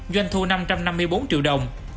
doanh thu năm trăm năm mươi bốn triệu đồng